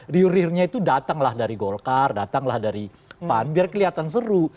riurnya itu datanglah dari golkar datanglah dari pan biar kelihatan seru